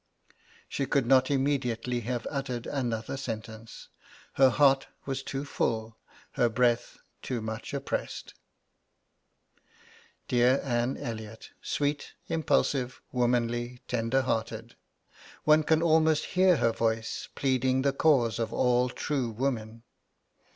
_' She could not immediately have uttered another sentence her heart was too full, her breath too much oppressed. Dear Anne Elliot! sweet, impulsive, womanly, tender hearted one can almost hear her voice, pleading the cause of all true women.